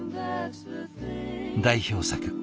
代表作